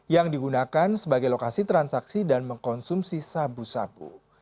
yang digunakan sebagai lokasi transaksi dan mengkonsumsi sabu sabu